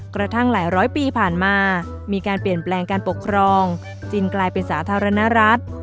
กระทั่งหลายร้อยปีผ่านมามีการเปลี่ยนแปลงการปกครองจึงกลายเป็นสาธารณรัฐ